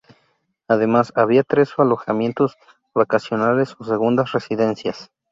Además, había tres alojamientos vacacionales o segundas residencias.